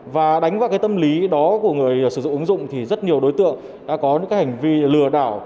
và đánh vào cái tâm lý đó của người sử dụng ứng dụng thì rất nhiều đối tượng đã có những hành vi lừa đảo